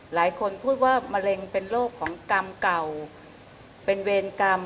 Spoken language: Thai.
หลายคนพูดว่ามะเร็งเป็นโรคของกรรมเก่าเป็นเวรกรรม